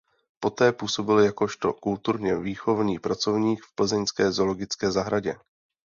Poté působil jakožto kulturně výchovný pracovník v Plzeňské zoologické zahradě.